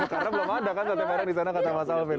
karena belum ada kan sate padang di sana kata mas alvin